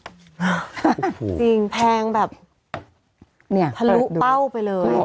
จริงแพงแบบทะลุเป้าไปเลย